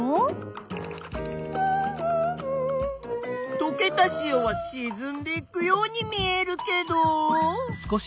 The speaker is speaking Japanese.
とけた塩はしずんでいくように見えるけど？